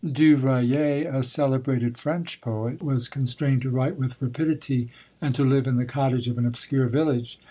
Du Ryer, a celebrated French poet, was constrained to write with rapidity, and to live in the cottage of an obscure village.